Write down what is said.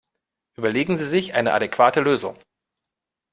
Überlegen Sie sich eine adäquate Lösung!